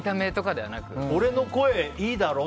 俺の声、いいだろ？